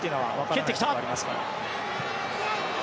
蹴ってきた。